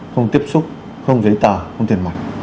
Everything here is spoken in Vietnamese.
không tiếp xúc không giấy tờ không tiền mặt